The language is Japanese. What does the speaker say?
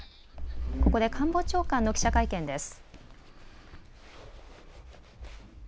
ここで官房長官の記者会見です。